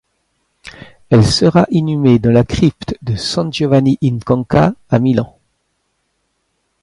Elle sera inhumée dans la crypte de San Giovanni in Conca à Milan.